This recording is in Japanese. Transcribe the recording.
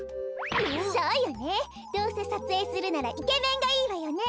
そうよねどうせさつえいするならイケメンがいいわよね。